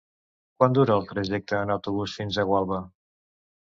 Quant dura el trajecte en autobús fins a Gualba?